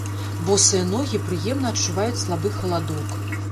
Босыя ногі прыемна адчуваюць слабы халадок.